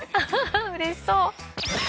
うれしそう。